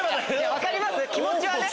分かります気持ちはね！